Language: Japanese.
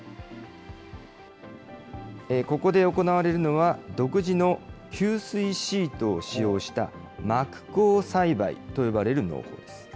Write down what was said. ここで行われるのは、独自の吸水シートを使用した膜耕栽培と呼ばれる農法です。